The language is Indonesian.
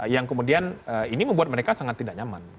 yang kemudian ini membuat mereka sangat tidak nyaman